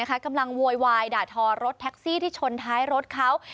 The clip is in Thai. โวยวายด่าทอรถแท็กซี่ที่ชนท้ายรถเขา